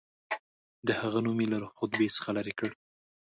د هغه نوم یې له خطبې څخه لیري کړ.